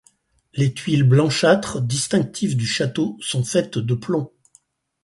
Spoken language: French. Les tuiles blanchâtres distinctives du château sont faites de plomb.